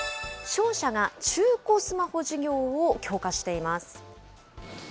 商社が中古スマホ事業を強化しています。